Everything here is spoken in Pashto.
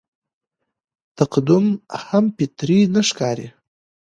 تقدم هم فطري نه ښکاري.